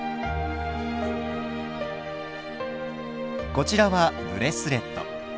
こちらはブレスレット。